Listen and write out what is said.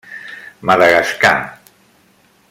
Madagascar.